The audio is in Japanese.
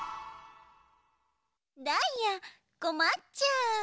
ダイヤこまっちゃう。